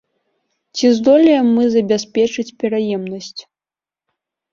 Ці здолеем мы забяспечыць пераемнасць?